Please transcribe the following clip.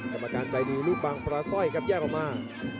กรรมการใจดีลูกบางปลาสร้อยครับแยกออกมา